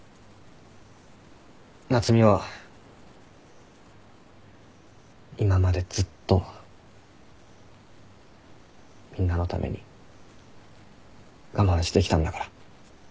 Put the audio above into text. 夏海は今までずっとみんなのために我慢してきたんだから。